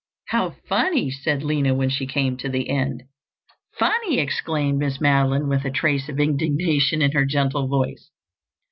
"How funny!" said Lina when she came to the end. "Funny!" exclaimed Miss Madeline, with a trace of indignation in her gentle voice.